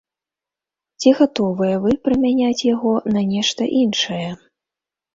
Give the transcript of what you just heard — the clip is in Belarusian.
Ці гатовыя вы прамяняць яго на нешта іншае?